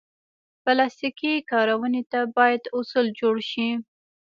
پلاستيکي کارونې ته باید اصول جوړ شي.